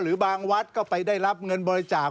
บางวัดก็ไปได้รับเงินบริจาค